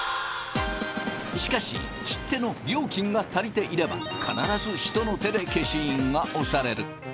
しかし切手の料金が足りていれば必ず人の手で消印が押される。